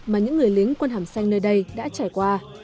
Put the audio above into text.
mà những người lính quân hàm xanh nơi đây đã trải qua